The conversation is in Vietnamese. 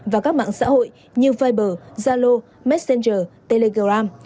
và các mạng xã hội như viber zalo messenger telegram